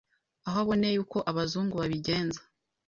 aho aboneye uko abazungu babigenza,